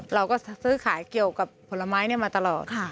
เราก็ซื้อขายเกี่ยวกับผลไม้มาตลอด